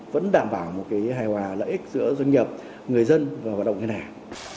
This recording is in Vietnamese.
vẫn đảm bảo một cái hài hòa lợi ích giữa doanh nghiệp người dân và hoạt động ngân hàng